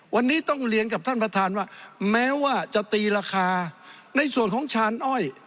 วันนี้ต้องเรียนกับท่านประธานว่าแม้ว่าจะตีราคาในส่วนของชานอ้อย